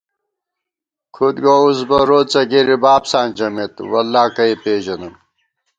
کھُد گوؤس بہ روڅہ گِری بابساں ژمېت “واللہ کہ ئے پېژَنم”